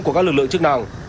của các lực lượng chức năng